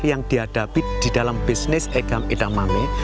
yang dihadapi di dalam bisnis edamame